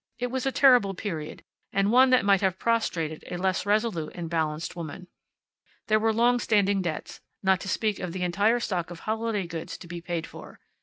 It was a terrible period, and one that might have prostrated a less resolute and balanced woman. There were long standing debts, not to speak of the entire stock of holiday goods to be paid for.